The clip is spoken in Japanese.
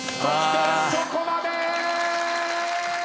そこまで！